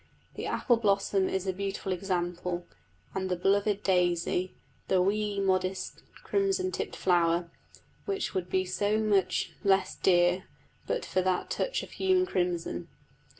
The apple blossom is a beautiful example, and the beloved daisy the "wee, modest, crimson tipped flower," which would be so much less dear but for that touch of human crimson.